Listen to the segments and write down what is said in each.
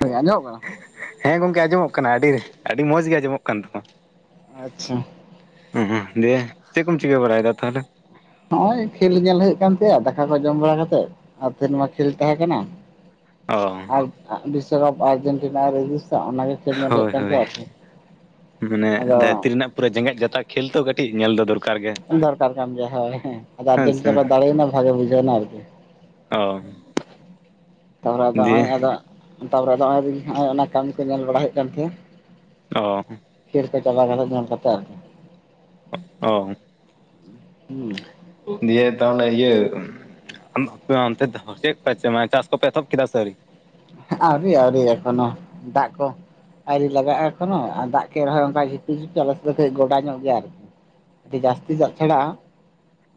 ᱦᱳᱭ ᱟᱸᱡᱚᱢᱚᱜ ᱠᱟᱱᱟ ᱦᱮᱸ ᱜᱚᱢᱠᱮ ᱟᱸᱡᱚᱢᱚᱜ ᱠᱟᱱᱟ ᱟᱹᱰᱤ, ᱟᱹᱰᱤ ᱢᱚᱸᱡᱽ ᱜᱮ ᱟᱸᱡᱚᱢᱚᱜ ᱠᱟᱱ ᱛᱟᱢᱟ᱾ ᱟᱪᱪᱷᱟ᱾ ᱩᱸ ᱦᱩᱸ ᱫᱤᱭᱮ, ᱪᱮᱫ ᱠᱚᱢ ᱪᱤᱠᱟᱹ ᱵᱟᱲᱟᱭᱮᱫᱟ ᱛᱟᱦᱚᱞᱮ? ᱱᱚᱜ ᱚᱭ ᱠᱷᱮᱞ ᱧᱮᱞ ᱦᱩᱭᱩᱜ ᱠᱟᱱ ᱛᱟᱦᱮᱫ-ᱟ ᱫᱟᱠᱟ ᱠᱚ ᱡᱚᱢ ᱵᱟᱲᱟ ᱠᱟᱛᱮᱜ ᱟᱨ ᱛᱮᱦᱮᱧ ᱢᱟ ᱠᱷᱮᱞ ᱛᱟᱦᱮᱸ ᱠᱟᱱᱟ᱾ ᱚᱻ ᱟᱨ ᱵᱤᱥᱥᱚᱠᱟᱯ ᱟᱨᱡᱮᱱᱴᱤᱱᱟ ᱨᱮᱡᱩᱥᱟ ᱚᱱᱟᱜᱮ ᱠᱷᱮᱞ ᱧᱮᱞ ᱦᱩᱭᱩᱜ ᱦᱳᱭ ᱠᱟᱱ ᱦᱳᱭ, ᱛᱟᱦᱮᱸᱜ ᱟᱨᱠᱤ ᱢᱟᱱᱮ ᱟᱫᱚ ᱫᱷᱟᱹᱨᱛᱤ ᱨᱮᱱᱟᱜ ᱯᱩᱨᱟᱹ ᱡᱮᱸᱜᱮᱫ ᱡᱟᱛᱟᱠ ᱠᱷᱮᱞ ᱛᱚ ᱠᱟᱹᱴᱤᱡ ᱧᱮᱞ ᱫᱚ ᱫᱚᱨ ᱫᱚᱨᱠᱟᱨ ᱠᱟᱱ ᱜᱮᱭᱟ ᱦᱳᱭ ᱦᱮᱸ, ᱟᱫᱚ ᱦᱮᱸ ᱥᱮ ᱟᱨᱡᱮᱱᱴᱤᱱᱟ ᱠᱚ ᱫᱟᱲᱮᱭᱱᱟ ᱵᱷᱟᱜᱮ ᱵᱩᱡᱷᱟᱹᱣᱱᱟ ᱟᱨᱠᱤ᱾ ᱚ᱾ ᱛᱟᱨ ᱯᱚᱨᱮ ᱟᱫᱚ ᱫᱤᱭᱮ ᱱᱚᱜᱼᱚᱭ ᱟᱫᱚ ᱛᱟᱨ ᱯᱚᱨᱮ ᱱᱚᱜᱼᱚᱭ ᱚᱱᱟ ᱠᱟᱹᱢᱤ ᱠᱚ ᱧᱮᱞ ᱵᱟᱲᱟ ᱦᱩᱭᱩᱜ ᱠᱟᱱ ᱛᱟᱦᱮᱸᱼᱟ᱾ ᱚ᱾ ᱠᱷᱮᱞ ᱠᱚ ᱪᱟᱵᱟ ᱫᱷᱟᱨᱟ ᱧᱮᱞ ᱠᱟᱛᱮ ᱟᱨᱠᱤ᱾ ᱚ, ᱦᱩᱸ ᱫᱤᱭᱮ ᱛᱟᱦᱚᱞᱮ ᱤᱭᱟᱹ ᱚᱱᱛᱮ ᱢᱮ [unintelligible] ᱪᱟᱥ ᱠᱚᱯᱮ ᱮᱛᱚᱦᱚᱰ ᱠᱮᱫᱟ ᱥᱮ ᱟᱹᱣᱨᱤ? ᱟᱹᱣᱨᱤ ᱟᱹᱣᱨᱤ ᱮᱠᱷᱚᱱᱳ ᱫᱟᱜ ᱠᱚ ᱟᱹᱣᱨᱤ ᱞᱟᱜᱟᱜᱼᱟ ᱠᱚᱱᱚ ᱟᱨ ᱫᱟᱜ ᱠᱮᱜ ᱨᱮᱦᱚᱸ ᱚᱱᱠᱟ ᱡᱷᱤᱯᱤᱨ ᱡᱷᱤᱯᱤᱨ ᱟᱞᱮ ᱥᱮᱫ ᱫᱚ ᱠᱟᱹᱡ ᱜᱚᱰᱟ ᱧᱚᱜ ᱜᱮᱭᱟ ᱟᱨᱠᱤ, ᱟᱹᱰᱤ ᱡᱟᱹᱥᱛᱤ ᱫᱟᱜ ᱪᱷᱟᱲᱟ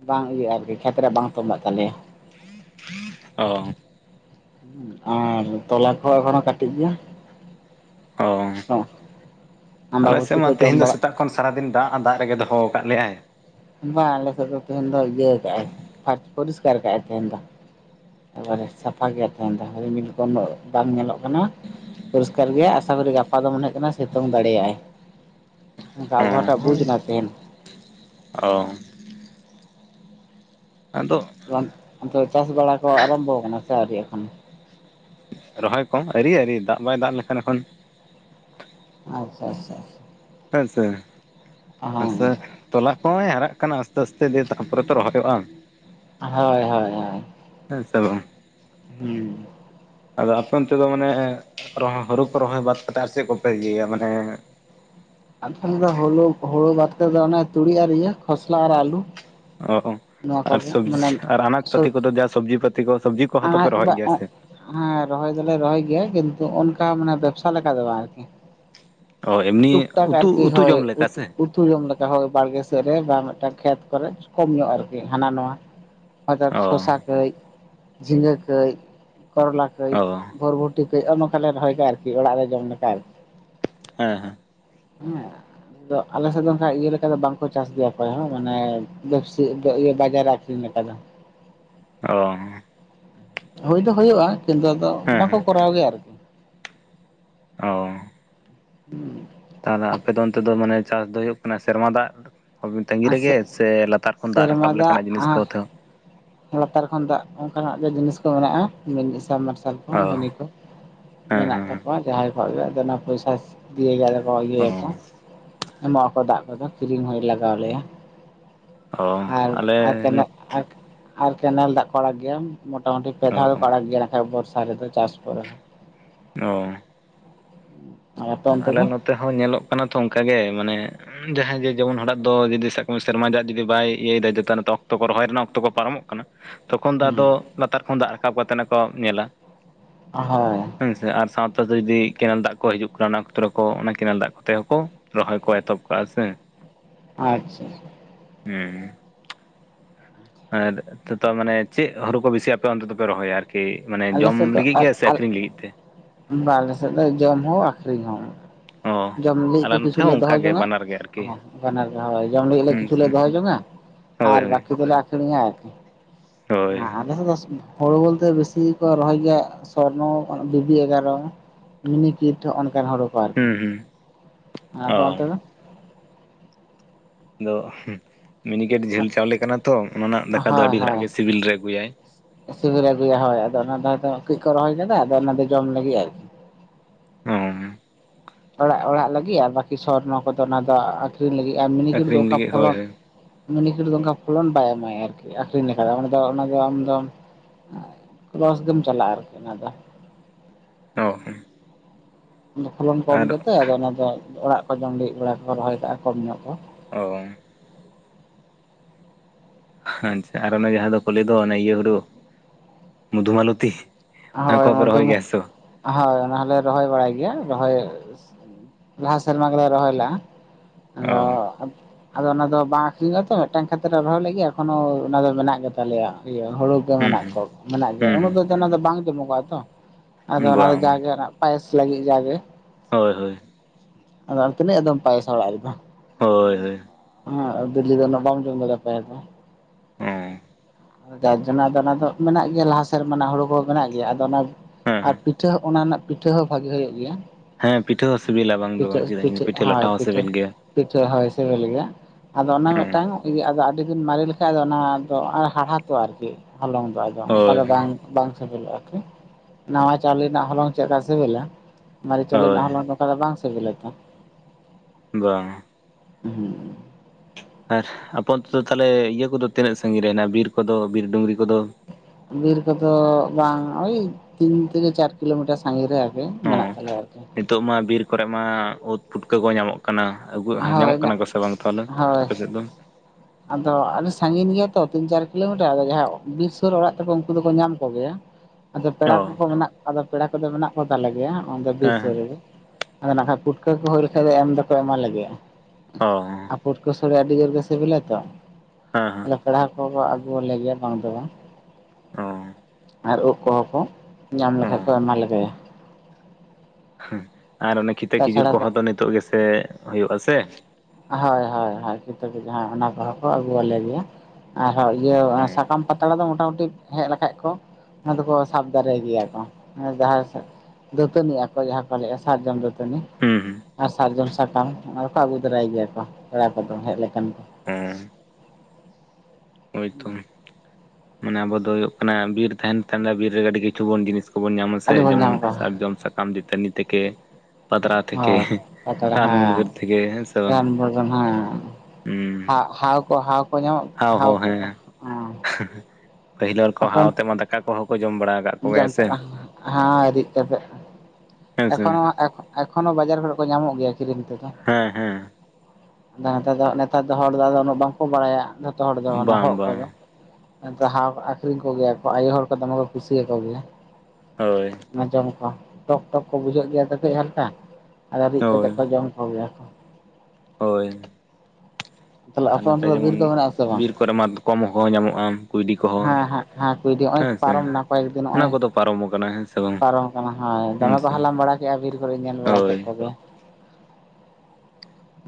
ᱵᱟᱝ ᱤᱭᱟᱹᱜᱼᱟ ᱟᱨᱠᱤ ᱠᱷᱮᱛᱨᱮ ᱵᱟᱝ ᱛᱚᱸᱢᱵᱟᱜ ᱛᱟᱞᱮᱭᱟ᱾ ᱚ, ᱟᱨ ᱛᱚᱞᱟ ᱠᱚᱦᱚᱸ ᱮᱠᱷᱚᱱᱳ ᱠᱟᱹᱴᱤᱡ ᱜᱮᱭᱟ, ᱚ ᱟ ᱟᱢᱵᱟᱵᱚᱛᱤ ᱠᱚ ᱡᱚᱢ ᱵᱟᱲᱟ ᱛᱚᱠᱷᱚᱱ ᱥᱟᱨᱟ ᱫᱤᱱ ᱫᱟᱜ ᱟᱨ ᱫᱟᱜ ᱨᱮᱜᱮ ᱫᱚᱦᱚ ᱟᱠᱟᱫ ᱞᱮᱭᱟᱭ, ᱵᱟᱝ ᱟᱞᱮ ᱥᱮᱫ ᱫᱚ ᱛᱮᱦᱮᱧ ᱫᱚ ᱤᱭᱟᱹ ᱠᱟᱜᱼᱟᱭ ᱯᱚᱨᱤᱥᱠᱟᱨ ᱠᱟᱜᱼᱟᱭ ᱛᱟᱦᱮᱧ ᱫᱚ, ᱮᱵᱟᱨᱮ ᱥᱟᱯᱷᱟ ᱜᱮ ᱛᱟᱦᱮᱧ ᱫᱚ ᱨᱤᱢᱤᱞ ᱠᱚ ᱩᱱᱟᱹᱜ ᱵᱟᱝ ᱧᱮᱞᱚᱜ ᱠᱟᱱᱟ᱾ ᱯᱚᱨᱤᱥᱠᱟᱨ ᱜᱮᱭᱟ ᱟᱥᱟ ᱠᱚᱨᱤ ᱜᱟᱯᱟ ᱫᱚ ᱢᱚᱱᱮ ᱦᱩᱭᱩᱜ ᱠᱟᱱᱟ ᱥᱤᱛᱩᱝ ᱫᱟᱲᱮᱭᱟᱜᱼᱟᱭ᱾ ᱟᱵᱽᱚᱦᱟᱣᱟ ᱦᱮᱸ ᱴᱟᱜ ᱵᱩᱡᱽᱱᱟ ᱛᱮᱦᱮᱧ, ᱚ, ᱟᱫᱚ, ᱪᱟᱥ ᱵᱟᱲᱟ ᱠᱚ ᱟᱨᱟᱢᱵᱚ ᱟᱠᱟᱱᱟ ᱥᱮ ᱟᱹᱣᱨᱤ ᱮᱠᱷᱚᱱ? ᱨᱚᱦᱚᱭ ᱠᱚ ᱟᱹᱨᱤ ᱟᱹᱨᱤ ᱫᱟᱜ ᱵᱟᱭ ᱫᱟᱜ ᱞᱮᱠᱷᱟᱱ ᱮᱠᱷᱚᱱ, ᱟᱪᱪᱷᱟ ᱟᱪᱪᱷᱟ, ᱦᱮᱸ ᱥᱮ ᱦᱮᱸ ᱟᱥᱮᱜ, ᱛᱚᱞᱟ ᱠᱚ ᱱᱚᱜᱚᱸᱭ ᱦᱟᱨᱟᱜ ᱠᱟᱱᱟ ᱟᱥᱛᱮ ᱟᱥᱛᱮ ᱫᱤᱭ ᱛᱟᱨ ᱯᱚᱨᱮ ᱛᱚ ᱨᱚᱦᱚᱭᱚᱜᱼᱟ᱾ ᱦᱳᱭ ᱦᱳᱭ ᱦᱳᱭ, ᱦᱮᱸ ᱥᱮ ᱵᱟᱝ? ᱦᱩᱸ, ᱟᱫᱚ ᱟᱯᱮ ᱚᱱᱛᱮ ᱫᱚ ᱢᱟᱱᱮ ᱦᱚᱲᱳ ᱠᱚ ᱨᱚᱦᱚᱭ ᱵᱟᱫ ᱠᱟᱛᱮ ᱟᱨ ᱪᱮᱫ ᱠᱚᱯᱮ ᱤᱭᱟᱹᱭᱟ? ᱢᱟᱱᱮ ᱟᱫᱷᱚᱢ ᱫᱚ ᱦᱩᱞᱳ ᱦᱩᱲᱳ ᱵᱟᱫ ᱠᱟᱛᱮ ᱚᱱᱮ ᱛᱩᱲᱤ ᱟᱨ ᱤᱭᱟᱹ ᱠᱷᱚᱥᱞᱟ ᱟᱨ ᱟᱞᱩ᱾ ᱚ ᱟᱨ ᱥᱚᱵᱡᱤ ᱟᱨ ᱟᱱᱟᱡ ᱯᱟᱟᱹᱛᱤ ᱠᱚᱫᱚ ᱡᱟ ᱥᱚᱵᱡᱤ ᱯᱟᱛᱤ ᱠᱚ ᱥᱚᱵᱡᱤ ᱠᱚ, ᱟᱨ [unintelligible] ᱦᱮᱸ ᱨᱚᱦᱚᱭ ᱫᱚᱞᱮ ᱨᱚᱦᱚᱭ ᱜᱮᱭᱟ᱾ ᱠᱤᱱᱛᱩ ᱚᱱᱠᱟ ᱢᱟᱱᱮ ᱵᱮᱵᱥᱟ ᱞᱮᱠᱟ ᱫᱚ ᱵᱟᱝ ᱟᱨᱠᱤ᱾ ᱚ ᱮᱢᱱᱤ ᱴᱩᱠ ᱴᱟᱠ ᱩᱛᱩ ᱟᱨᱠᱤ ᱩᱛᱩ ᱦᱳᱭ, ᱡᱚᱢ ᱞᱮᱠᱟ ᱥᱮ ᱩᱛᱩ ᱡᱚᱢ ᱞᱮᱠᱟ ᱦᱳᱭ ᱵᱟᱲᱜᱮ ᱥᱮᱫ ᱨᱮ ᱵᱟ ᱢᱤᱫᱴᱟᱝ ᱠᱷᱮᱛ ᱠᱚᱨᱮ ᱠᱚᱢ ᱧᱚᱜ ᱟᱨᱠᱤ ᱦᱟᱱᱟ ᱱᱟᱣᱟ᱾ ᱟᱨ ᱚ ᱥᱚᱥᱟ ᱠᱟᱹᱡ, ᱡᱷᱤᱸᱜᱟᱹ ᱠᱟᱹᱡ, ᱠᱚᱨᱚᱞᱟ ᱠᱟᱹᱡ, ᱚ ᱵᱚᱨᱵᱚᱴᱤ, ᱩᱛᱩ ᱠᱟᱹᱡ ᱚᱱ ᱚᱱᱠᱟᱞᱮ ᱨᱚᱦᱚᱭᱫᱟ ᱟᱨᱠᱤ ᱚᱲᱟᱜ ᱨᱮ ᱡᱚᱢ ᱞᱮᱠᱟ ᱟᱨᱠᱤ᱾ ᱦᱮᱸ ᱦᱮᱸ, ᱦᱮᱸ ᱟᱫᱚ ᱟᱞᱮᱥᱮᱫ ᱫᱚ ᱚᱱᱠᱟ ᱤᱭᱟᱹ ᱞᱮᱠᱟ ᱫᱚ ᱵᱟᱝᱠᱚ ᱪᱟᱥ ᱜᱮᱭᱟ ᱚᱠᱚᱭ ᱦᱚᱸ ᱢᱟᱱᱮ ᱵᱮᱥᱤ ᱤᱭᱟᱹ ᱵᱟᱡᱟᱨ ᱟᱹᱠᱷ ᱨᱤᱧ ᱞᱮᱠᱟᱫᱚ᱾ ᱚ, ᱦᱩᱭ ᱫᱚ ᱦᱩᱭᱩᱜ-ᱟ ᱠᱤᱱᱛᱩ ᱟᱫᱚ ᱦᱮᱸ ᱵᱟᱠᱚ ᱦᱮᱸ ᱠᱚᱨᱟᱣ ᱜᱮᱭᱟ ᱟᱨᱠᱤ, ᱚ, ᱦᱩᱸ, ᱛᱟᱦᱚᱞᱮ ᱟᱯᱮᱫᱚ ᱚᱱᱛᱮ ᱫᱚ ᱢᱟᱱᱮ ᱪᱟᱥ ᱫᱚ ᱦᱩᱭᱩᱜ ᱠᱟᱱᱟ ᱥᱮᱨᱢᱟ ᱫᱟᱜ ᱛᱟᱺᱜᱤ ᱟᱥᱮ ᱨᱮᱜᱮ ᱥᱮ ᱞᱟ ᱛᱟᱨ ᱠᱷᱚᱱ ᱫᱟᱜ ᱨᱟᱠᱟᱵ ᱥᱮᱨᱢᱟ ᱞᱮᱠᱟᱱᱟᱜ ᱡᱤᱱᱤᱥ ᱟᱨ ᱠᱚᱛᱮ ᱦᱚ? ᱞᱟᱛᱟᱨ ᱠᱷᱚᱱ ᱫᱟᱜ ᱚᱱᱠᱟᱱᱟᱜ ᱜᱮ ᱡᱤᱱᱤᱥ ᱠᱚ ᱢᱮᱱᱟᱜ-ᱟ, ᱢᱤᱱᱤ ᱥᱟᱰᱽᱢᱟᱨᱥᱟᱞ ᱠᱚ ᱚ ᱢᱤᱱᱤ ᱠᱚ᱾ ᱦᱮᱸ ᱢᱮᱱᱟᱜ ᱦᱮᱸ ᱦᱮᱸ ᱛᱟᱠᱚᱣᱟ ᱡᱟᱦᱟᱸᱭ ᱠᱷᱚᱣᱟ ᱜᱮ ᱟᱫᱚ ᱚᱱᱟ ᱯᱚᱭᱥᱟ ᱫᱤᱭᱮ ᱜᱮ ᱠᱚ ᱤᱭᱟᱹᱭᱟᱠᱚ ᱚ ᱮᱢᱚᱜ ᱟᱠᱚ ᱫᱟᱜ ᱠᱚᱫᱚ ᱠᱤᱨᱤᱧ ᱦᱩᱭ ᱞᱟᱜᱟᱣ ᱟᱞᱮᱭᱟ᱾ ᱚ ᱟᱨ, ᱟᱨ ᱟᱞᱮ ᱠᱮ ᱱᱚᱛ ᱟᱨ ᱠᱮᱱᱮᱞ ᱫᱟᱜ ᱠᱚ ᱟᱲᱟᱜ ᱜᱮᱭᱟ ᱢᱚᱴᱟᱢᱩᱴᱤ ᱯᱮ ᱫᱷᱟᱣ ᱫᱚ ᱠᱚ ᱚ ᱟᱲᱟᱜ ᱜᱮᱭᱟ ᱵᱟᱠᱷᱟᱡ ᱵᱚᱨᱥᱟ ᱨᱮᱫᱚ ᱪᱟᱥ ᱯᱚᱨᱮ ᱦᱚᱸ᱾ ᱚᱻ ᱟᱨ ᱟᱯᱮ ᱚᱱᱛᱮ ᱟᱞᱮ ᱫᱚ ᱱᱚᱛᱮ ᱦᱚᱸ ᱧᱮᱞᱚᱜ ᱠᱟᱱᱟ ᱛᱚ ᱚᱱᱠᱟ ᱜᱮ ᱢᱟᱱᱮᱼᱼ ᱡᱟᱦᱟᱸᱭ ᱡᱮ ᱡᱮᱢᱚᱱ ᱦᱚᱲᱟᱜ ᱫᱚ ᱡᱩᱫᱤ ᱥᱟᱠᱟᱢ ᱥᱮᱨᱢᱟ ᱡᱟᱜ ᱡᱩᱫᱤ ᱵᱟᱭ ᱤᱭᱟᱹᱭᱮᱫᱟ ᱡᱚᱛᱮ ᱱᱚ ᱚᱠᱛᱚ ᱠᱚ ᱨᱚᱦᱚᱭ ᱨᱮᱱᱟᱜ ᱚᱠᱛᱚ ᱠᱚ ᱯᱟᱨᱚᱢᱚᱜ ᱠᱟᱱᱟ᱾ ᱛᱚᱠᱷᱚᱱ ᱫᱚ ᱟᱫᱚ ᱦᱩᱸ ᱞᱟᱛᱟᱨ ᱠᱷᱚᱱ ᱫᱟᱜ ᱨᱟᱠᱟᱵ ᱠᱟᱛᱮ ᱠᱚ ᱧᱮᱞᱟ᱾ ᱦᱳᱭ ᱦᱮᱸᱥᱮ ᱟᱨ ᱥᱟᱶᱛᱮᱛᱮ ᱡᱩᱫᱤ ᱠᱮᱱᱮᱞ ᱫᱟᱜ ᱠᱚ ᱦᱤᱡᱩᱜᱼᱟ ᱨᱟᱱᱟ ᱠᱚᱛᱨᱟᱹ ᱠᱚ ᱚᱱᱟ ᱠᱮᱱᱮᱞ ᱫᱟᱜ ᱠᱚᱛᱮ ᱦᱚᱸᱠᱚ ᱨᱚᱦᱚᱭ ᱠᱚ ᱮᱛᱚᱦᱚᱵ ᱠᱟᱜᱼᱟ ᱥᱮ᱾ ᱟᱪᱪᱷᱟ, ᱦᱩᱸ ᱟᱨ ᱱᱤᱛᱚᱜ ᱫᱚ ᱢᱟᱱᱮ ᱪᱮᱫ ᱦᱩᱨᱩ ᱠᱚ ᱵᱤᱥᱤ ᱟᱯᱮ ᱚᱱᱛᱮ ᱫᱚᱯᱮ ᱨᱚᱦᱚᱭᱟ ᱟᱨᱠᱤ᱾ ᱢᱟᱱᱮ ᱡᱚᱢ ᱞᱟᱹᱜᱤᱫ ᱜᱮ ᱥᱮ ᱟᱠᱷᱨᱤᱧ ᱞᱟᱹᱜᱤᱫ ᱛᱮ? ᱵᱟᱝ ᱟᱞᱮ ᱥᱮᱫ ᱫᱚ ᱡᱚᱢ ᱦᱚᱸ ᱟᱠᱷᱨᱤᱧ ᱦᱚᱸ ᱚ ᱡᱚᱢ ᱞᱟᱹᱜᱤᱫ ᱟᱞᱮ ᱠᱚ ᱱᱚᱛᱮ ᱦᱚᱸ ᱠᱤᱪᱷᱩᱞᱮ ᱚᱱᱠᱟ ᱫᱚᱦᱚ ᱜᱮ ᱡᱚᱝᱼᱟ᱾ ᱵᱟᱱᱟᱨ ᱜᱮ ᱟᱨᱠᱤ ᱵᱟᱱᱟᱨ ᱜᱮ ᱦᱳᱭ ᱡᱚᱢ ᱞᱟᱹᱜᱤᱫ ᱞᱮ ᱠᱤᱪᱷᱩ ᱞᱮ ᱦᱩᱸ ᱫᱚᱦᱚ ᱡᱚᱝᱼᱟ ᱦᱳᱭ ᱟᱨ ᱦᱳᱭ ᱵᱟᱠᱤ ᱫᱚᱞᱮᱼᱼ ᱟᱠᱷᱨᱤᱧᱟ ᱦᱳᱭ ᱟᱞᱮᱦᱚᱸ ᱫᱚᱥ ᱦᱳᱲᱩ ᱵᱚᱞᱛᱮ ᱵᱮᱥᱤᱼᱼ ᱠᱚ ᱨᱚᱦᱚᱭ ᱜᱮᱭᱟ ᱥᱚᱨᱱᱚ ᱵᱤ ᱵᱤ ᱮᱜᱟᱨᱚ ᱢᱤᱱᱤᱠᱤᱴᱳ ᱦᱚᱸ ᱚᱱᱠᱟᱱ ᱦᱩᱲᱩ ᱠᱚᱼᱼ ᱟᱨᱠᱤ ᱦᱩᱸ ᱦᱩᱸ ᱟᱨ ᱫᱚ ᱚ ᱚᱱᱛᱮ ᱫᱚ? ᱟᱫᱚ ᱢᱤᱱᱤᱜᱮᱴ ᱡᱷᱟᱹᱞ ᱪᱟᱣᱞᱮ ᱠᱟᱱᱟ ᱛᱚ ᱚᱱᱟ ᱨᱮᱱᱟᱜ ᱫᱟᱠᱟ ᱫᱚ ᱟᱹᱰᱤ ᱦᱚᱲᱟᱜ ᱜᱮ ᱥᱤᱵᱤᱞ ᱨᱮ ᱟᱹᱜᱩᱭᱟᱭ ᱥᱤᱵᱤᱞᱮ ᱟᱹᱜᱩᱭᱟ ᱦᱳᱭ ᱟᱫᱚ ᱚᱱᱟ ᱫᱚ ᱠᱟᱹᱡ ᱠᱚ ᱨᱚᱦᱚᱭ ᱞᱮᱫᱟ ᱟᱫᱚ ᱚᱱᱟ ᱫᱚ ᱡᱚᱢ ᱞᱟᱹᱜᱤᱫ ᱟᱨᱠᱤᱼᱼ ᱦᱩᱸᱻ ᱚᱲᱟᱜ ᱚᱲᱟᱜ ᱞᱟᱹᱜᱤᱫ ᱟᱨ ᱵᱟᱹᱠᱤ ᱥᱚᱨᱱᱚ ᱠᱚᱫᱚ ᱚᱱᱟ ᱫᱚ ᱟᱠᱷᱨᱤᱧ ᱞᱟᱹᱜᱤᱫ ᱢᱤᱱᱤᱠᱤᱴ ᱫᱚ ᱟᱹᱠᱷᱨᱤᱧ ᱚᱱᱠᱟ ᱞᱟᱹᱜᱤᱫ ᱦᱳᱭ ᱯᱷᱚᱞᱚᱱᱼᱼ ᱦᱳᱭ ᱢᱤᱱᱤᱠᱤᱴ ᱫᱚ ᱚᱱᱠᱟ ᱯᱷᱚᱞᱚᱱ ᱵᱟᱭ ᱮᱢᱟᱭᱟ ᱟᱨᱠᱤ ᱟᱠᱷᱨᱤᱧ ᱞᱮᱠᱟ ᱚᱱᱟ ᱫᱚ ᱚᱱᱟ ᱫᱚ ᱟᱢ ᱫᱚᱢᱼᱼ ᱞᱚᱥ ᱜᱮᱢ ᱪᱟᱞᱟᱜᱼᱟ ᱟᱨᱠᱤ ᱚᱱᱟ ᱫᱚ ᱚ ᱯᱷᱚᱞᱚᱱ ᱠᱚᱢ ᱟᱨ ᱜᱮᱛᱮ ᱟᱫᱚ ᱚᱱᱟ ᱫᱚ ᱚᱲᱟᱜ ᱠᱚ ᱡᱚᱢ ᱞᱟᱜᱤᱛ ᱵᱟᱲᱟ ᱠᱚ ᱨᱚᱦᱚᱭ ᱠᱟᱜᱼᱟ ᱠᱚᱢ ᱧᱚᱜ᱾ ᱚᱻ ᱟᱪᱪᱷᱟ ᱟᱨ ᱚᱱᱮ ᱡᱟᱦᱟᱸ ᱫᱚᱠᱚ ᱞᱟᱹᱭ ᱫᱚ ᱚᱱᱟ ᱤᱭᱟᱹ ᱦᱩᱲᱩ ᱠᱚ ᱢᱳᱷᱩᱢᱟᱞᱚᱛᱤ᱾ ᱦᱳᱭ ᱢᱚᱫᱷᱩᱢᱩ ᱦᱳᱭ ᱚᱱᱟ ᱦᱚᱞᱮ ᱨᱚᱦᱚᱭ ᱵᱟᱲᱟᱭ ᱜᱮᱭᱟ ᱨᱚᱦᱚᱭᱼᱼ ᱞᱟᱦᱟ ᱥᱮᱨᱢᱟ ᱜᱮᱞᱮ ᱨᱚᱦᱚᱭ ᱞᱮᱭᱟ ᱚ ᱟᱫᱚᱼᱼ ᱟᱫᱚ ᱚᱱᱟ ᱫᱚ ᱵᱟᱝ ᱟᱠᱷᱨᱤᱧᱚᱜᱼᱟ ᱛᱚ ᱢᱤᱫᱴᱟᱝ ᱠᱷᱟᱹᱛᱤᱨ ᱮᱵᱷᱟᱣ ᱞᱟᱜᱤᱫ ᱮᱠᱷᱚᱱᱚ ᱚᱱᱟ ᱫᱚ ᱢᱮᱱᱟᱜ ᱜᱮᱛᱟᱞᱮᱭᱟ ᱤᱭᱟᱹ ᱦᱩᱲᱩ ᱦᱩᱸ ᱢᱮᱱᱟᱜ ᱠᱚ ᱢᱮᱱᱟᱜ ᱜᱮᱭᱟ ᱦᱩᱸ ᱩᱱᱟᱹᱜ ᱫᱚ ᱚᱱᱟ ᱫᱚ ᱵᱟᱝ ᱡᱚᱢᱚᱜᱚᱜᱼᱟ ᱛᱚ ᱟᱫᱚ ᱦᱩᱸ ᱚᱱᱟ ᱫᱚ ᱵᱟᱝ ᱡᱟᱜᱮ ᱚᱱᱟ ᱯᱟᱭᱮᱥ ᱞᱟᱜᱤᱛ ᱡᱟᱜᱮᱼᱼ ᱦᱳᱭ ᱦᱳᱭ ᱟᱫᱚ ᱛᱤᱱᱟᱹᱜ ᱟᱫᱚᱢ ᱯᱟᱭᱮᱥᱟ ᱚᱲᱟᱜ ᱨᱮ ᱫᱚ᱾ ᱦᱳᱭ ᱦᱳᱭ ᱦᱩᱸ ᱫᱤᱞᱤ ᱫᱚ ᱵᱟᱢ ᱡᱚᱢᱚᱱ ᱫᱚ [unintelligible] ᱚ ᱦᱮᱸ ᱡᱟᱨ ᱡᱚᱱᱱᱚ ᱟᱫᱚ ᱚᱱᱟ ᱫᱚ ᱢᱮᱱᱟᱜ ᱜᱮᱭᱟ ᱞᱟᱦᱟ ᱥᱮᱨᱢᱟ ᱨᱮᱱᱟᱜ ᱦᱩᱲᱩ ᱠᱚ ᱢᱮᱱᱟᱜ ᱜᱮᱭᱟ ᱟᱫᱚ ᱚᱱᱟᱼᱼ ᱟᱨ ᱦᱮᱸ ᱯᱤᱴᱷᱟᱹ ᱦᱚᱸ ᱚᱱᱟ ᱨᱮᱱᱟᱜ ᱯᱤᱴᱷᱟᱹ ᱦᱚᱸ ᱵᱷᱟᱜᱮ ᱦᱩᱭᱩᱜ ᱜᱮᱭᱟ᱾ ᱦᱮᱸ ᱯᱤᱴᱷᱟᱹ ᱦᱚᱸ ᱥᱤᱵᱤᱞᱟ ᱵᱟᱝ ᱫᱚ ᱯᱤᱴᱷᱟᱹ ᱵᱟᱝ ᱯᱤᱴᱷᱟᱹ ᱞᱟᱴᱷᱟ ᱦᱳᱭ ᱦᱚᱸ ᱯᱤᱴᱷᱟᱹ ᱥᱤᱵᱤᱞ ᱜᱮᱭᱟ᱾ ᱯᱤᱴᱷᱟᱹ ᱦᱳᱭ ᱥᱤᱵᱤᱞ ᱜᱮᱭᱟ ᱟᱫᱚ ᱚᱱᱟ ᱢᱤᱫᱴᱟᱝ ᱤᱭᱟᱹ ᱟᱫᱚ ᱟᱹᱰᱤ ᱫᱤᱱ ᱢᱟᱨᱮ ᱞᱮᱠᱷᱟᱱ ᱚᱱᱟ ᱫᱚᱼᱼ ᱦᱟᱲᱦᱟ ᱛᱚ ᱟᱨᱠᱤ ᱦᱚᱞᱚᱝ ᱫᱚ ᱟᱫᱚ ᱚᱱᱠᱟ ᱫᱚ ᱦᱳᱭ ᱵᱟᱝ᱾ ᱵᱟᱝ ᱥᱤᱵᱤᱞᱚᱜ ᱟᱨᱠᱤ ᱱᱟᱣᱟ ᱪᱟᱣᱞᱮ ᱨᱮᱱᱟᱜ ᱦᱚᱞᱚᱝ ᱪᱮᱫᱞᱮᱠᱟ ᱥᱤᱵᱤᱞᱟ ᱢᱟᱨᱮ ᱪᱟᱣᱞᱮ ᱦᱳᱭ ᱨᱮᱱᱟᱜ ᱦᱚᱞᱚᱝ ᱫᱚᱼᱼ ᱚ ᱫᱚ ᱵᱟᱝ ᱥᱤᱵᱤᱞ ᱛᱚ, ᱵᱟᱝ ᱦᱩᱸ ᱟᱨ ᱟᱯᱟ ᱛᱚᱛᱚ ᱛᱟᱦᱚᱞᱮ ᱤᱭᱟᱹ ᱠᱚᱫᱚ ᱛᱤᱱᱟᱹᱜ ᱥᱟᱺᱜᱤᱧ ᱨᱮ ᱦᱮᱱᱟᱜᱼᱟ ᱵᱤᱨ ᱠᱚᱫᱚ ᱵᱤᱨ ᱰᱩᱝᱨᱤ ᱠᱚᱫᱚ᱾ ᱵᱤᱨ ᱠᱚᱫᱚ ᱵᱟᱝ ᱳᱭ ᱛᱤᱱ ᱛᱷᱮᱮᱠᱮ ᱪᱟᱨ ᱠᱤᱞᱳᱢᱤᱴᱟᱨ ᱥᱟᱺᱜᱤᱧ ᱨᱮ ᱟᱨᱠᱤ ᱚ ᱢᱮᱱᱟᱜ ᱛᱟᱞᱮᱭᱟ ᱟᱨᱠᱤ᱾ ᱱᱤᱛᱚᱜ ᱢᱟ ᱵᱤᱨ ᱠᱚᱨᱮ ᱢᱟ ᱩᱫᱽ ᱯᱩᱴᱠᱟᱹ ᱠᱚ ᱧᱟᱢᱚᱜ ᱠᱟᱱᱟ ᱟᱹᱜᱩ ᱦᱟᱸ ᱦᱳᱭ ᱧᱟᱢᱚᱜ ᱠᱟᱱᱟ ᱠᱚᱥᱮ ᱵᱟᱝ ᱛᱟᱦᱚᱞᱮ ᱦᱳᱭ ᱟᱯᱮ ᱥᱮᱫ ᱫᱚ? ᱟᱫᱚ ᱟᱹᱰᱤ ᱥᱟᱺᱜᱤᱧ ᱜᱮᱭᱟ ᱛᱚ ᱛᱤᱱ ᱪᱟᱨ ᱠᱤᱞᱳᱢᱤᱴᱟᱨ ᱟᱫᱚ ᱡᱟᱦᱟᱸ ᱵᱤᱨ ᱥᱩᱨ ᱨᱮ ᱚᱲᱟᱜ ᱛᱟᱠᱚ ᱩᱱᱠᱩ ᱫᱚᱠᱚ ᱧᱟᱢ ᱠᱚ ᱜᱮᱭᱟ᱾ [inaudible] ᱟᱫᱚ ᱯᱮᱲᱟ ᱚ ᱠᱚᱠᱚ ᱢᱮᱱᱟᱜ, ᱟᱫᱚ ᱯᱮᱲᱟ ᱠᱚᱫᱚ ᱢᱮᱱᱟᱜ ᱠᱚ ᱛᱟᱞᱮ ᱜᱮᱭᱟ ᱚᱸᱰᱮ ᱵᱤᱨ ᱦᱮᱸ ᱥᱳᱨ ᱦᱮᱸ ᱨᱮᱜᱮ᱾ ᱟᱫᱚ ᱱᱟᱠᱷᱟᱡ ᱯᱩᱴᱠᱟᱹ ᱠᱚ ᱦᱩᱭ ᱞᱮᱠᱷᱟᱡ ᱮᱢ ᱫᱚᱠᱚ ᱮᱢᱟ ᱞᱮ ᱜᱮᱭᱟ᱾ ᱚ ᱦᱚᱸ᱾ ᱟᱨ ᱯᱩᱴᱠᱟᱹ ᱥᱳᱲᱮ ᱟᱹᱰᱤ ᱡᱳᱨ ᱜᱮ ᱥᱤᱵᱤᱞᱟ ᱛᱚ᱾ ᱦᱮᱸ ᱦᱮᱸ᱾ ᱞᱟᱠᱲᱟ ᱦᱚᱠᱚ ᱠᱚ ᱟᱹᱜᱩᱣᱟᱞᱮᱭᱟᱞᱮ ᱜᱮᱭᱟ ᱵᱟᱝ ᱫᱚ ᱵᱟᱝ᱾ ᱚ᱾ ᱟᱨ ᱩᱫᱽ ᱠᱚᱦᱚᱸ ᱠᱚ ᱧᱟᱢ ᱚ ᱞᱮᱠᱷᱟᱡ ᱠᱚ ᱮᱢᱟ ᱞᱮᱜᱮᱭᱟ᱾ ᱦᱩ ᱸ ᱟᱨ ᱚᱱᱮ ᱠᱤᱛᱟᱹ ᱠᱷᱤᱡᱩᱨ ᱛᱟᱪᱷᱟᱲᱟ ᱠᱚᱦᱚᱸ ᱛᱚ ᱱᱤᱛᱚᱜ ᱜᱮᱥᱮ ᱦᱩᱭᱩᱜ-ᱟ ᱥᱮ᱾ ᱦᱳᱭ ᱦᱳᱭ ᱦᱳᱭ ᱠᱤᱛᱟᱹ ᱠᱚ ᱡᱟᱦᱟᱸ ᱚᱱᱟ ᱠᱚᱦᱚᱸ ᱠᱚ ᱟᱹᱜᱩᱣᱟᱞᱮ ᱜᱮᱭᱟ, ᱟᱨᱦᱚᱸ ᱤᱭᱟᱹ ᱚᱱᱟ ᱦᱩᱸ ᱥᱟᱠᱟᱢ ᱯᱟᱛᱲᱟ ᱫᱚ ᱢᱚᱴᱟᱢᱩᱴᱤ ᱦᱮᱡ ᱞᱮᱠᱷᱟᱡ ᱠᱚ ᱚᱱᱟ ᱫᱚᱠᱚ ᱥᱟᱵ ᱫᱟᱨᱮᱭ ᱜᱮᱭᱟ ᱠᱚ, ᱚᱱᱮ ᱡᱟᱦᱟᱸᱭ ᱥᱮᱫ ᱫᱟᱹᱛᱟᱹᱱᱤ ᱟᱠᱚ ᱡᱟᱦᱟᱸ ᱠᱚ ᱞᱟᱹᱭᱮᱜ-ᱟ ᱥᱟᱨᱡᱚᱢ ᱫᱟᱹᱛᱟᱹᱱᱤ᱾ ᱦᱩᱸ ᱦᱩᱸ᱾ ᱟᱨ ᱥᱟᱨᱡᱚᱢ ᱥᱟᱠᱟᱢ ᱚᱱᱟ ᱫᱚᱠᱚ ᱟᱹᱜᱩ ᱫᱚᱨᱟᱭ ᱜᱮᱭᱟ ᱠᱚ ᱯᱮᱲᱟ ᱠᱚᱫᱚ ᱦᱮᱡ ᱞᱮᱠᱷᱟᱱ ᱠᱚ᱾ ᱦᱮᱸ᱾ ᱦᱳᱭ ᱛᱚ ᱢᱟᱱᱮ ᱟᱵᱚ ᱫᱚ ᱦᱩᱭᱩᱜ ᱠᱟᱱᱟ ᱵᱤᱨ ᱛᱟᱦᱮᱱ ᱛᱮ ᱚᱸᱰᱮ ᱵᱤᱨ ᱨᱮ ᱟᱹᱰᱤ ᱠᱤᱪᱷᱩ ᱵᱚᱱ ᱡᱤᱱᱤᱥ ᱠᱚᱵᱚᱱ ᱧᱟᱢᱟ ᱥᱮ ᱟᱹᱰᱤ ᱵᱚᱱ ᱡᱮᱢᱚᱱ ᱧᱟᱢ ᱠᱚᱣᱟ ᱥᱟᱨᱡᱚᱢ ᱥᱟᱠᱟᱢ ᱫᱟᱹᱛᱟᱹᱱᱤ ᱛᱮᱠᱮ ᱦᱳᱭ ᱯᱟᱛᱲᱟ ᱦᱟᱸ ᱛᱷᱮᱠᱮ ᱦᱮᱸ ᱥᱮ ᱵᱟᱝ ᱨᱟᱱ ᱢᱩᱨᱜᱟᱹᱱ ᱦᱟᱸ ᱦᱩᱸ ᱦᱟ-ᱦᱟᱣ᱾ ᱠᱚ ᱦᱟᱣ ᱠᱚ ᱧᱟᱢᱚᱜ ᱦᱟᱣ ᱦᱚᱸ ᱦᱮᱸ, ᱠᱚ ᱦᱮᱸ ᱯᱟᱹᱦᱤᱞ ᱦᱚᱲ ᱠᱚ ᱦᱟᱣ ᱛᱮᱢᱟ ᱫᱟᱠᱟ ᱠᱚᱦᱚᱸ ᱠᱚ ᱡᱚᱢ ᱵᱟᱲᱟᱣ ᱠᱟᱫᱽ᱾ [unintelligible] ᱦᱟᱸᱣ ᱨᱤᱫ ᱠᱟᱛᱮᱫ ᱦᱮᱸ ᱥᱮ ᱮᱠᱷᱳᱱᱳ ᱮᱠᱷᱳ ᱮᱠᱷᱚᱱᱳ ᱵᱟᱡᱟᱨ ᱠᱚᱨᱮᱜ ᱠᱚ ᱧᱟᱢᱚᱜ ᱜᱮᱭᱟ ᱠᱤᱨᱤᱧ ᱛᱮᱫᱚ᱾ ᱦᱮᱸ ᱦᱮᱸ ᱟᱫᱚ ᱦᱮᱛᱟᱨ ᱫᱚ ᱱᱮᱛᱟᱨ ᱫᱚ ᱦᱚᱲ ᱫᱚ ᱟᱫᱚ ᱩᱱᱟᱹᱜ ᱵᱟᱝᱠᱚ ᱵᱟᱲᱟᱭᱟ ᱡᱷᱚᱛᱚ ᱦᱚᱲ ᱫᱚ ᱚᱱᱟ ᱵᱟᱝ ᱦᱚᱜ ᱵᱟᱝ ᱠᱚᱫᱚ᱾ ᱟᱫᱚ ᱦᱟᱣ ᱠᱚ ᱟᱠᱷᱨᱤᱧ ᱠᱚ ᱜᱮᱭᱟ ᱠᱚ, ᱟᱭᱳ ᱦᱚᱲ ᱠᱚ ᱫᱚᱢᱮ ᱠᱚ ᱠᱩᱥᱤᱭᱟᱠᱚ ᱜᱮᱭᱟ᱾ ᱦᱳᱭ᱾ ᱚᱱᱟ ᱡᱚᱢ ᱠᱚ, ᱴᱚᱠ ᱴᱚᱠ ᱠᱚ ᱵᱩᱡᱷᱟᱹᱜ ᱜᱮᱭᱟ ᱠᱟᱹᱴᱤᱡ ᱦᱟᱞᱠᱟ ᱟᱫᱚ ᱨᱤᱫ ᱠᱟᱛᱮ ᱦᱳᱭ ᱠᱚ ᱡᱚᱢ ᱠᱚ ᱜᱮᱭᱟ ᱠᱚ᱾ ᱦᱳᱭ᱾ ᱛᱟᱦᱚᱞᱮ ᱟᱨ ᱟᱯᱮ ᱱᱚᱛᱮ ᱚᱱᱛᱮ ᱫᱚ ᱡᱮᱢᱚᱱ ᱵᱤᱨ ᱠᱚ ᱢᱮᱱᱟᱜ ᱟᱥᱮ ᱵᱟᱝ ᱵᱤᱨ ᱠᱚᱨᱮ ᱢᱟᱛᱠᱚᱢ ᱦᱚᱸ ᱧᱟᱢᱚᱜ-ᱟ, ᱠᱩᱭᱰᱤ ᱠᱚᱦᱚᱸ᱾ ᱦᱮᱸ ᱦᱮᱸ ᱦᱮᱸ ᱠᱩᱭᱰᱤ ᱦᱚᱜ -ᱚᱭ ᱦᱮᱸ ᱥᱮ ᱯᱟᱨᱚᱢᱱᱟ ᱠᱚᱭᱮᱠ ᱫᱤᱱ ᱱᱚᱜ-ᱚᱭ᱾ ᱚᱱᱟ ᱠᱚᱫᱚ ᱯᱟᱨᱚᱢ ᱟᱠᱟᱱᱟ ᱦᱮᱸ᱾ ᱥᱮ ᱵᱟᱝ ᱯᱟᱨᱚᱢ ᱠᱟᱱᱟ ᱦᱳᱭ ᱫᱚᱢᱮ ᱦᱮᱸ ᱠᱚ ᱥᱮ ᱦᱟᱞᱟᱢ ᱵᱟᱲᱟ ᱠᱮᱫ-ᱟ ᱵᱤᱨ ᱠᱚᱨᱮᱧ ᱧᱮᱞ ᱵᱟᱲᱟ ᱠᱮᱫ ᱦᱳᱭ ᱠᱚᱜᱮᱭᱟ᱾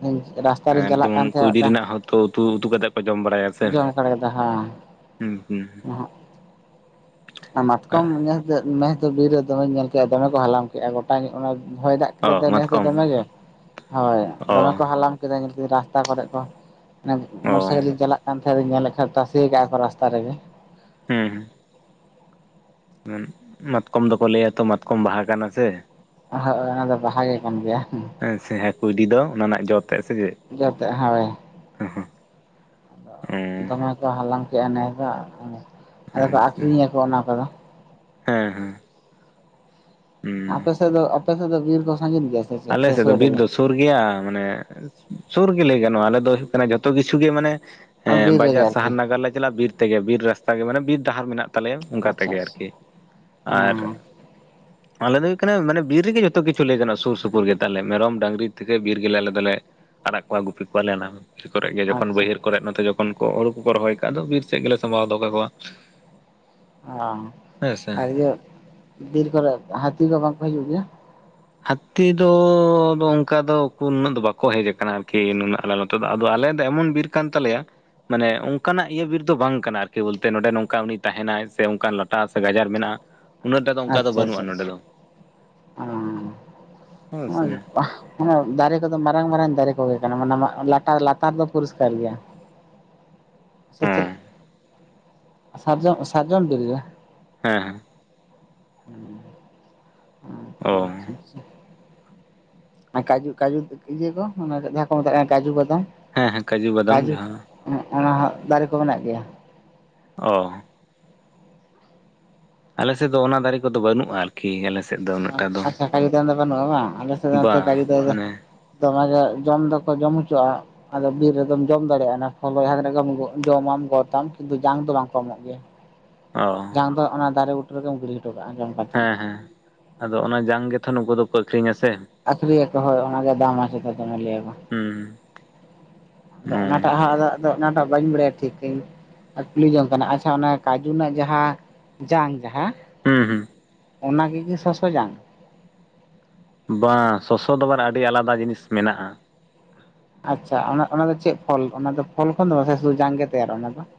ᱤᱧ ᱨᱟᱥᱛᱟ ᱮ ᱨᱤᱧ ᱪᱟᱞᱟᱜ ᱡᱮᱢᱚᱱ ᱠᱟᱱ ᱛᱟᱦᱮᱸᱫ ᱠᱩᱭᱰᱤ ᱢᱤᱫᱴᱟᱝ ᱨᱮᱱᱟᱜ ᱦᱚᱸᱛᱚ ᱩᱛᱩ ᱩᱛᱩ ᱠᱟᱛᱮ ᱠᱚ ᱡᱚᱢ ᱵᱟᱲᱟᱭᱟ ᱥᱮᱱ᱾ ᱡᱚᱢ ᱠᱟᱲ ᱠᱮᱫᱟ ᱦᱮᱸ ᱦᱩᱸ ᱦᱩᱸ᱾ ᱟᱨ ᱢᱟᱛᱠᱚᱢ ᱱᱮᱥ ᱫᱚ ᱱᱮᱥ ᱫᱚ ᱵᱤᱨ ᱨᱮ ᱫᱚᱢᱮᱧ ᱧᱮᱞ ᱠᱮᱫ-ᱟ ᱫᱚᱢᱮ ᱠᱚ ᱦᱟᱞᱟᱢ ᱠᱮᱫ-ᱟ ᱜᱚᱴᱟᱜᱮ ᱚᱱᱟ ᱦᱚᱭ ᱫᱟᱜ ᱚ ᱤᱭᱟᱹ ᱫᱚ ᱱᱮᱥ ᱫᱚ ᱢᱟᱛᱠᱚᱢ ᱫᱚᱢᱮᱜ ᱜᱮ, ᱦᱳᱭ ᱚ ᱫᱚᱢᱮ ᱠᱚ ᱦᱟᱞᱟᱝ ᱠᱮᱫᱟ ᱧᱮᱞ ᱠᱤᱫᱟᱹᱧ ᱨᱟᱥᱛᱟ ᱠᱚᱨᱮᱜ ᱠᱚ ᱱᱮ ᱚ ᱢᱚᱴᱚᱨ ᱥᱟᱭᱠᱮᱞ ᱛᱤᱧ ᱪᱟᱞᱟᱜ ᱠᱟᱱ ᱛᱟᱦᱮᱸᱫ ᱫᱚᱧ ᱧᱮᱞᱮᱫ ᱠᱷᱟᱱ ᱛᱟᱥᱮ ᱠᱟᱜ-ᱟ ᱠᱚ ᱨᱟᱥᱛᱟ ᱨᱮᱜᱮ᱾ ᱦᱩᱸ ᱦᱩᱸ᱾ ᱢᱟᱛᱠᱚᱢ ᱫᱚᱠᱚ ᱞᱟᱹᱭᱟ ᱛᱚ ᱢᱟᱛᱠᱚᱢ ᱵᱟᱦᱟ ᱠᱟᱱᱟ ᱥᱮ᱾ ᱦᱳᱭ ᱚᱱᱟ ᱫᱚ ᱵᱟᱦᱟ ᱜᱮ ᱠᱟᱱ ᱜᱮᱭᱟ ᱾ ᱦᱮᱸ ᱥᱮ ᱦᱮᱸ ᱠᱩᱭᱰᱤ ᱫᱚ ᱚᱱᱟ ᱨᱮᱱᱟᱜ ᱡᱚ ᱛᱮᱜ ᱥᱮ ᱪᱮᱜ? ᱡᱚ ᱛᱮᱜ ᱦᱳᱭ ᱾ ᱟᱫᱚ ᱫᱚᱢᱮ ᱠᱚ ᱦᱟᱞᱟᱝ ᱠᱮᱜᱼᱟ ᱱᱮᱥ ᱫᱚ᱾ ᱟᱪᱪᱷᱟ ᱟᱫᱚ ᱠᱚ ᱟᱹᱠᱷᱨᱤᱧ ᱟᱠᱚ ᱚᱱᱟ ᱠᱚᱫᱚ ᱾ ᱦᱮᱸ ᱦᱮᱸ ᱾ ᱟᱯᱮ ᱥᱮᱫ ᱫᱚ, ᱟᱯᱮ ᱥᱮᱫ ᱫᱚ ᱵᱤᱨ ᱠᱚ ᱥᱟᱺᱜᱤᱧ ᱜᱮᱭᱟ ᱾ ᱟᱞᱮ ᱥᱮᱫ ᱫᱚ ᱵᱤᱨ ᱫᱚ ᱥᱩᱨ ᱜᱮᱭᱟ ᱢᱟᱱᱮ ᱥᱩᱨ ᱜᱮ ᱞᱟᱹᱭ ᱜᱟᱱᱚᱜᱼᱟ᱾ ᱟᱞᱮ ᱫᱚ ᱦᱩᱭᱩᱜ ᱠᱟᱱᱟ ᱡᱚᱛᱚ ᱠᱤᱪᱷᱩ ᱜᱮ ᱢᱟᱱᱮ ᱦᱮᱸ ᱵᱤᱨ ᱨᱮᱜᱮ ᱵᱟᱡᱟᱨ ᱟᱨᱠᱤ ᱥᱟᱦᱟᱨ ᱱᱟᱜᱟᱨ ᱞᱮ ᱪᱟᱞᱟᱜᱼᱟ᱾ ᱵᱤᱨ ᱛᱮᱜᱮ ᱵᱤᱨ ᱨᱟᱥᱛᱟ ᱜᱮ ᱢᱟᱱᱮ ᱵᱤᱨ ᱰᱟᱦᱟᱨ ᱢᱮᱱᱟᱜ ᱛᱟᱞᱮᱭᱟ ᱚᱱᱠᱟ ᱟᱪᱪᱷᱟ ᱛᱮᱜᱮ ᱟᱪᱪᱷᱟ ᱟᱨᱠᱤ ᱟᱨ ᱦᱮᱸ ᱟᱞᱮ ᱫᱚ ᱦᱩᱭᱩᱜ ᱠᱟᱱᱟ᱾ ᱢᱟᱱᱮ ᱵᱤᱨ ᱨᱤᱜᱤ ᱡᱚᱛᱚ ᱠᱤᱪᱷᱩ ᱞᱟᱹᱭ ᱜᱟᱱᱚᱜ-ᱟ ᱥᱩᱨ ᱥᱩ ᱯᱩᱨ ᱜᱮᱛᱟᱞᱮ ᱢᱮᱨᱚᱢ, ᱰᱟᱝᱨᱤ ᱛᱮᱜᱮ ᱵᱤᱨ ᱜᱮᱞᱮ ᱟᱞᱮ ᱫᱚᱞᱮ ᱟᱲᱟᱜ ᱠᱚᱣᱟ ᱜᱩᱯᱤ ᱠᱚᱣᱟᱞᱮ ᱚᱱᱟ ᱦᱚᱸ ᱾ ᱠᱚᱨᱮᱡ ᱜᱮ ᱡᱚᱠᱷᱚᱱ ᱟᱪᱪᱷᱟ ᱵᱟᱹᱭᱦᱟᱹᱲ ᱠᱚᱨᱮᱜ ᱱᱚᱛᱮ ᱡᱚᱠᱷᱚᱱ ᱠᱚ ᱦᱳᱲᱩ ᱠᱚᱠᱚ ᱨᱚᱦᱚᱭ ᱠᱟᱜᱼᱟ ᱫᱚ ᱵᱤᱨ ᱥᱮᱜ ᱜᱮᱞᱮ ᱥᱟᱢᱵᱟᱣ ᱫᱚᱦᱚ ᱟᱠᱚᱣᱟ ᱾ ᱚ ᱟᱨ ᱤᱭᱟᱹ ᱵᱤᱨ ᱠᱚᱨᱮ ᱦᱟᱹᱛᱤ ᱠᱚ ᱵᱟᱝ ᱠᱚ ᱦᱤᱡᱩᱜ ᱜᱤᱭᱟ? ᱦᱟᱹᱛᱤ ᱫᱚ ᱚᱝᱠᱟ ᱫᱚ ᱩᱠᱩ ᱱᱩᱱᱟᱹᱜ ᱫᱚ ᱵᱟᱠᱚ ᱦᱮᱡ ᱟᱠᱟᱱᱟ ᱟᱨᱠᱤ ᱱᱩᱱᱟᱹᱜ ᱟᱞᱮ ᱛᱚᱫᱚ ᱟᱫᱚ ᱟᱞᱮ ᱫᱚ ᱮᱢᱚᱱ ᱵᱤᱨ ᱠᱟᱱ ᱛᱟᱞᱮᱭᱟ ᱢᱟᱱᱮ ᱚᱝᱠᱟᱱᱟᱜ ᱤᱭᱟᱹ ᱵᱤᱨ ᱫᱚ ᱵᱟᱝ ᱠᱟᱱᱟ ᱟᱨᱠᱤ ᱵᱚᱞᱛᱮ ᱱᱚᱸᱰᱮ ᱱᱚᱝᱠᱟ ᱩᱱᱤ ᱛᱟᱦᱮᱱᱟᱭ ᱥᱮ ᱚᱝᱠᱟᱱ ᱞᱟ ᱴᱟ ᱥᱮ ᱜᱟᱡᱟᱲ ᱢᱮᱱᱟᱜᱼᱟ ᱾ ᱟᱪᱪᱷᱟ ᱟᱪᱪᱷᱟ ᱟᱪᱪᱷᱟ ᱟ ᱦᱮᱸ ᱥᱮ ᱦᱚᱜ-ᱚᱭ ᱨᱩᱯᱟ ᱢᱟᱱᱮ ᱫᱟᱨᱮ ᱠᱚᱫᱚ ᱢᱟᱨᱟᱝ ᱢᱟᱨᱟᱝ ᱫᱟᱨᱮ ᱠᱚᱜᱮ ᱠᱟᱱᱟ, ᱢᱚᱱᱮ ᱢᱟᱜ ᱞᱟᱴᱟᱨ ᱞᱟᱛᱟᱨ ᱫᱚ ᱯᱚᱨᱤᱥᱠᱟᱨ ᱜᱮᱭᱟ ᱾ ᱥᱮ ᱪᱮᱫ ᱦᱮᱸ ᱥᱟᱨᱡᱚᱱ ᱥᱟᱨᱡᱚᱢ ᱵᱤᱨ ᱜᱮ ᱾ ᱦᱮᱸ ᱦᱮᱸ ᱾ ᱦᱮᱸ ᱚ ᱟᱪᱪᱷᱟ, ᱟᱪᱪᱷᱟ, ᱟᱪᱪᱷᱟ ᱾ ᱟᱨ ᱠᱟᱡᱩ ᱠᱟᱡᱩ ᱤᱭᱟᱹ ᱠᱚ ᱚᱱᱟ ᱴᱟᱜ ᱡᱟᱦᱟᱸ ᱠᱚ ᱢᱮᱛᱟᱜ ᱠᱟᱱᱟ ᱠᱟᱡᱩ ᱵᱟᱫᱟᱢ ᱾ ᱦᱮᱸ, ᱦᱮᱸ ᱠᱟᱡᱩ ᱵᱟᱫᱟᱢ ᱡᱟᱦᱟᱸ ᱦᱮᱜ ᱚᱱᱟ ᱦᱟᱸᱜ ᱫᱟᱨᱮ ᱠᱚ ᱢᱮᱱᱟᱜ ᱜᱮᱭᱟ᱾ ᱚ ᱟᱞᱮ ᱥᱮᱜ ᱫᱚ ᱚᱱᱟ ᱫᱟᱨᱮ ᱠᱚᱫᱚ ᱵᱟᱹᱱᱩᱜᱼᱟ ᱾ ᱠᱤ ᱟᱞᱮ ᱥᱮᱫ ᱫᱚ ᱩᱱᱟᱹᱜ ᱴᱟ ᱫᱚ ᱟᱪᱪᱷᱟ ᱠᱟᱡᱩ ᱫᱚ ᱵᱟᱹᱱᱩᱜ-ᱟ ᱵᱟᱝ ᱾ᱟᱞᱮ ᱥᱮᱜ ᱫᱚ ᱱᱚᱛᱮ ᱠᱟᱡᱩ ᱵᱟᱝ ᱫᱟᱨᱮ ᱫᱚ ᱢᱟᱱᱮ ᱛᱚ ᱚᱱᱟᱜᱮ ᱡᱚᱢ ᱫᱚᱠᱚ ᱡᱚᱢ ᱦᱚᱪᱚᱜᱼᱟ ᱾ ᱟᱫᱚ ᱵᱤᱨ ᱨᱮᱫᱚᱢ ᱡᱚᱢ ᱫᱟᱲᱮᱭᱟᱜᱼᱟ ᱱᱟ ᱯᱷᱚᱞ ᱡᱟᱦᱟᱸ ᱛᱤᱱᱟᱹᱜ ᱜᱮᱢ ᱡᱚᱢᱟᱢ ᱜᱚᱫᱟᱢ ᱠᱤᱱᱛᱩ ᱡᱟᱝ ᱫᱚ ᱵᱟᱝ ᱠᱚ ᱮᱢᱚᱜ ᱜᱮᱭᱟ ᱾ ᱚ ᱡᱟᱝ ᱫᱚ ᱚᱱᱟ ᱫᱟᱨᱮ ᱵᱩᱴᱟᱹ ᱨᱮᱜᱮᱢ ᱜᱤᱰᱤ ᱦᱚᱴᱚ ᱠᱟᱜᱼᱟ ᱡᱚᱝ ᱦᱮᱸ, ᱦᱮᱸ ᱾ ᱟᱫᱚ ᱚᱱᱟ ᱡᱟᱝ ᱜᱮᱛᱚ ᱱᱩᱠᱩ ᱫᱚᱠᱚ ᱟᱹᱠᱷᱨᱤᱧᱟ ᱥᱮ ᱾ ᱟᱹᱠᱷᱨᱤᱧᱭᱟ ᱠᱚ ᱦᱳᱭ ᱚᱱᱟ ᱜᱮ ᱫᱟᱢᱟ ᱥᱮ ᱪᱮᱫ ᱫᱚᱢᱮ ᱞᱟᱹᱭᱟ ᱠᱚ ᱾ ᱦᱩᱸ, ᱦᱩᱸ ᱾ ᱟᱫᱚ ᱚᱱᱟᱴᱟᱜ ᱦᱟᱸᱜ, ᱟᱫᱚ ᱚᱱᱟᱴᱟᱜ ᱵᱟᱹᱧ ᱵᱟᱲᱟᱭᱟ ᱴᱷᱤᱠ, ᱴᱷᱤᱠ ᱾ ᱟᱴᱤ ᱞᱤᱧ ᱡᱚᱢᱠᱟᱱᱟ ᱟᱪᱪᱷᱟ ᱚᱱᱟ ᱠᱟᱡᱩ ᱨᱮᱱᱟᱜ ᱡᱟᱦᱟᱸ ᱡᱟᱝ ᱡᱟᱦᱟᱸ ᱦᱩᱸ, ᱦᱩᱸ ᱾ ᱚᱱᱟ ᱜᱤᱠᱤ ᱥᱚᱥᱚ ᱡᱟᱝ? ᱵᱟᱝ ᱥᱚᱥᱚ ᱫᱚ ᱟᱵᱟᱨ ᱟᱹᱰᱤ ᱟᱞᱟᱫᱟ ᱡᱤᱱᱤᱥ ᱢᱮᱱᱟᱜᱼᱟ ᱾ ᱟᱪᱪᱷᱟ ᱾ ᱚᱱᱟ ᱫᱚ ᱪᱮᱜ ᱯᱷᱚᱞ, ᱚᱱᱟ ᱫᱚ ᱯᱷᱚᱞ ᱠᱷᱚᱱ ᱫᱚ ᱦᱮᱸ ᱥᱮ ᱥᱩᱫᱷᱩ ᱡᱟᱝ ᱜᱮ ᱛᱮᱭᱟᱨᱚᱜ-ᱟ ᱚᱱᱟ ᱫᱚ?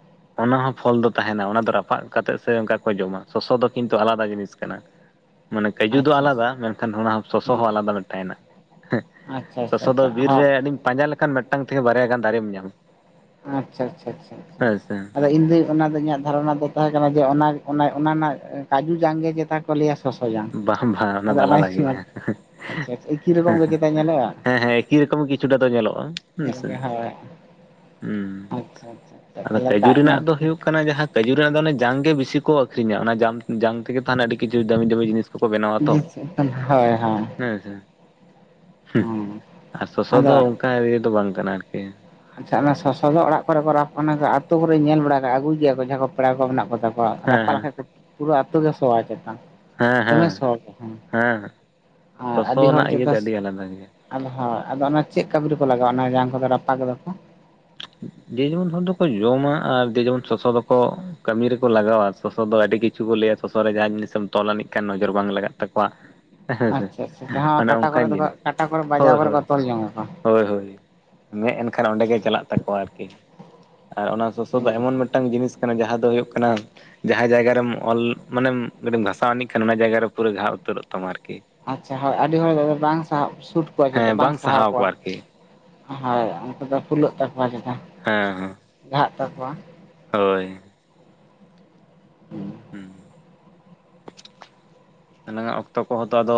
ᱚᱱᱟ ᱦᱚᱸ ᱯᱷᱚᱞ ᱫᱚ ᱛᱟᱦᱮᱱᱟ᱾ ᱚᱱᱟ ᱫᱚ ᱨᱟᱯᱟᱜ ᱠᱟᱛᱮᱜ ᱥᱮ ᱚᱝᱠᱟ ᱠᱚ ᱡᱚᱢᱟ᱾ ᱥᱚᱥᱚ ᱫᱚ ᱠᱤᱱᱛᱩ ᱟᱞᱟᱫᱟ ᱡᱤᱱᱤᱥ ᱠᱟᱱᱟ ᱾ ᱢᱟᱱᱮ ᱠᱟᱹᱡᱩ ᱫᱚ ᱟᱪᱪᱷᱟ ᱟᱪᱪᱷᱟ ᱟᱞᱟᱫᱟ᱾ ᱢᱮᱱᱠᱷᱟᱱ ᱚᱱᱟ ᱥᱚᱥᱚ ᱦᱮᱸ ᱦᱚᱸ ᱟᱞᱟᱫᱟ ᱛᱟᱦᱮᱱᱟ ᱦᱮᱸ ᱟᱪᱪᱷᱟ ᱾ ᱟᱪᱪᱷᱟ ᱥᱚᱥᱚ ᱫᱚ ᱟᱪᱪᱷᱟ ᱵᱤᱨ ᱦᱳᱭ ᱨᱮ ᱟᱹᱰᱤᱧ ᱯᱟᱸᱡᱟ ᱞᱮᱠᱷᱟᱱ ᱢᱤᱫᱴᱟᱝ ᱛᱷᱮᱠᱮ ᱵᱟᱨᱭᱟ ᱜᱟᱱ ᱫᱟᱨᱮᱢ ᱧᱟᱢᱟ ᱾ ᱟᱪᱪᱷᱟ ᱟᱪᱪᱷᱟ ᱟᱪᱪᱷᱟ ᱟᱪᱪᱷᱟ ᱾ ᱤᱧᱫᱚᱧ ᱚᱱᱟ ᱫᱚ ᱤᱧᱟᱹᱜ ᱫᱷᱟᱨᱚᱱᱟ ᱫᱚ ᱛᱟᱦᱮᱸ ᱠᱟᱱᱟ ᱡᱮ ᱚᱱᱟ ᱚᱱᱟ ᱨᱮᱱᱟᱜ ᱠᱟᱡᱩ ᱡᱟᱝ ᱜᱮ ᱪᱮᱛᱟᱠ ᱠᱚ ᱞᱟᱹᱭᱟ ᱥᱚᱥᱚ ᱡᱟᱝ ᱵᱟᱝ ᱵᱟᱝ ᱟᱫᱚ ᱫᱚ ᱚᱱᱟ ᱟᱞᱟᱫᱟ ᱜᱮᱭᱟ ᱮᱠᱤ ᱨᱚᱠᱚᱢ ᱜᱮ ᱥᱮᱪᱮᱛᱟ ᱧᱮᱞᱚᱜᱼᱟ᱾ ᱦᱮᱸ ᱦᱮᱸ ᱮᱠᱤ ᱨᱚᱠᱚᱢ ᱠᱤᱪᱷᱩᱴᱟ ᱫᱚ ᱧᱮᱞᱚᱜᱼᱟ ᱦᱮᱸ ᱧᱮᱞ ᱥᱮ᱾ ᱦᱳᱭ᱾ ᱦᱩᱸ ᱟᱪᱪᱷᱟ ᱟᱪᱪᱷᱟ ᱟᱪᱪᱷᱟ ᱟᱫᱚ ᱛᱟᱦᱚᱞᱮ ᱠᱷᱟᱡᱩ ᱠᱟᱜ ᱢᱮ ᱨᱮᱱᱟᱜ ᱫᱚ ᱦᱩᱭᱩᱜ ᱦᱩᱭᱩᱜ ᱠᱟᱱᱟ ᱡᱟᱦᱟᱸ ᱠᱟᱹᱡᱩ ᱨᱮᱱᱟᱜ ᱫᱚ ᱚᱱᱟᱮ ᱡᱟᱝ ᱜᱮ ᱵᱤᱥᱤ ᱠᱚ ᱟᱹᱠᱷᱨᱤᱧᱟ ᱚᱱᱟ ᱡᱟᱝ ᱛᱮᱜᱮ ᱛᱟᱦᱮᱱᱟ ᱟᱹᱰᱤ ᱠᱤᱪᱷᱩ ᱫᱟᱹᱢᱤ ᱫᱟᱹᱢᱤ ᱡᱤᱱᱤᱥ ᱠᱚ ᱠᱚ ᱵᱮᱱᱟᱣᱟ ᱛᱚ ᱦᱳᱭ ᱦᱳᱭ ᱦᱮᱸ ᱥᱮ ᱦᱩᱸ ᱾ ᱟᱨ ᱥᱚᱥᱚ ᱟᱫᱚ ᱫᱚ ᱚᱱᱠᱟ ᱤᱭᱟᱹ ᱫᱚ ᱵᱟᱝ ᱠᱟᱱᱟ ᱟᱨᱠᱤ ᱟᱪᱪᱷᱟ ᱚᱱᱟ ᱥᱚᱥᱚ ᱫᱚ ᱚᱲᱟᱜ ᱠᱚᱨᱮ ᱠᱚ ᱨᱟᱯᱚᱜᱼᱟ ᱟᱛᱳ ᱠᱚᱨᱮ ᱧᱮᱞ ᱵᱟᱲᱟ ᱟᱹᱜᱩᱭ ᱜᱮᱭᱟ ᱠᱚ ᱡᱟᱦᱟᱸᱭ ᱠᱚ ᱯᱮᱲᱟ ᱠᱚ ᱢᱮᱱᱟᱜ ᱠᱚᱛᱟ ᱠᱚᱣᱟ᱾ ᱦᱮᱸ ᱨᱟᱯᱟ ᱦᱮᱸ ᱞᱮᱠᱷᱟᱡ ᱯᱩᱨᱟᱹ ᱟᱹᱛᱩ ᱠᱮ ᱥᱚᱣᱟ ᱪᱮᱛᱟ᱾ ᱦᱮᱸ ᱫᱚᱢᱮ ᱦᱮᱸ ᱥᱚᱣᱟ ᱦᱮᱸ ᱟᱨ ᱟᱹᱰᱤ ᱥᱚᱥᱚ ᱦᱚᱲ ᱨᱮᱱᱟᱜ ᱤᱭᱟᱹ ᱥᱮᱪᱮᱛᱟ ᱫᱚ ᱟᱹᱰᱤ ᱟᱞᱟᱫᱟ ᱜᱮᱭᱟ ᱟᱫᱚ ᱦᱳᱭ ᱟᱫᱚ ᱚᱱᱟ ᱪᱮᱫ ᱠᱟᱹᱢᱤ ᱠᱚ ᱞᱟᱜᱟᱣᱟ ᱚᱱᱟ ᱡᱟᱝ ᱠᱚᱫᱚ ᱨᱟᱯᱟᱜ ᱠᱚᱫᱚ? ᱡᱮ ᱡᱮᱢᱚᱱ ᱦᱚᱲ ᱫᱚᱠᱚ ᱡᱚᱢᱟ ᱟᱨ ᱡᱮ ᱡᱮᱢᱚᱱ ᱥᱚᱥᱚ ᱫᱚᱠᱚ ᱠᱟᱹᱢᱤ ᱨᱮᱠᱚ ᱞᱟᱜᱟᱣᱟ ᱥᱚᱥᱚ ᱫᱚ ᱟᱹᱰᱤ ᱠᱤᱪᱷᱩ ᱠᱚ ᱞᱟᱹᱭᱟ ᱥᱚᱥᱚ ᱨᱮ ᱡᱟᱦᱟᱸ ᱡᱤᱱᱤᱥᱮᱢ ᱛᱚᱞ ᱟᱹᱱᱤᱡ ᱠᱷᱟᱱ ᱱᱚᱡᱚᱨ ᱵᱟᱝ ᱞᱟᱜᱟᱜ ᱛᱟᱠᱚᱣᱟ᱾ [inaudible] ᱟᱪᱪᱷᱟ ᱟᱪᱪᱷᱟ ᱡᱟᱦᱟᱸ ᱚᱱᱮ ᱠᱟᱴᱟ ᱠᱚᱨᱮ ᱚᱱᱠᱟᱱ ᱫᱚ ᱡᱤᱱᱤᱥ ᱠᱟᱴᱟ ᱠᱚᱨᱮ ᱵᱟᱡᱟᱣ ᱦᱳᱭ ᱠᱚᱨᱮ ᱠᱚ ᱦᱳᱭ ᱛᱚᱞ ᱡᱚᱝ ᱟᱠᱚ ᱠᱚᱣᱟ᱾ ᱦᱳᱭ ᱦᱳᱭ ᱢᱮᱫ ᱮᱱᱠᱷᱟᱱ ᱚᱸᱰᱮ ᱜᱮ ᱪᱟᱞᱟᱜ ᱛᱟᱠᱚᱣᱟ ᱟᱨᱠᱤ᱾ ᱟᱨ ᱚᱱᱟ ᱥᱚᱥᱚ ᱫᱚ ᱦᱮᱸ ᱮᱢᱚᱱ ᱢᱤᱫᱴᱟᱝ ᱡᱤᱱᱤᱥ ᱠᱟᱱᱟ ᱡᱟᱦᱟᱸ ᱫᱚ ᱦᱩᱭᱩᱜ ᱠᱟᱱᱟ ᱡᱟᱦᱟᱸ ᱡᱟᱭᱜᱟ ᱨᱮᱢ ᱚᱞ ᱢᱟᱱᱮᱢ ᱜᱷᱟᱥᱟᱣ ᱟᱱᱤᱡ ᱠᱷᱟᱱ ᱚᱱᱟ ᱡᱟᱭᱜᱟ ᱨᱮ ᱯᱩᱨᱟᱹ ᱜᱷᱟᱜ ᱩᱛᱟᱹᱨᱚᱜ ᱛᱟᱢᱟ ᱟᱨᱠᱤ᱾ ᱟᱪᱪᱷᱟ ᱦᱳᱭ ᱟᱹᱰᱤ ᱦᱚᱲ ᱫᱚ ᱵᱟᱝ ᱥᱟᱦᱟᱣ ᱥᱩᱴ ᱠᱚᱣᱟ ᱪᱮᱫ ᱵᱟᱝ ᱥᱟᱦᱟᱣ ᱠᱚᱣᱟ᱾ ᱦᱳᱭ ᱩᱱᱠᱩ ᱫᱚ ᱯᱷᱩᱞᱟᱹᱜ ᱛᱟᱠᱚᱣᱟ ᱡᱟᱦᱟ᱾ ᱦᱮᱸ ᱦᱮᱸ᱾ ᱜᱷᱟᱜ ᱛᱟᱠᱚᱣᱟ᱾ ᱦᱳᱭ᱾ ᱦᱩᱸ ᱮᱱᱟᱟᱜ ᱚᱠᱛᱚ ᱠᱚᱦᱚᱸ ᱛᱚ ᱟᱫᱚ